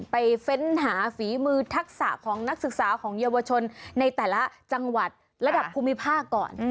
เฟ้นหาฝีมือทักษะของนักศึกษาของเยาวชนในแต่ละจังหวัดระดับภูมิภาคก่อน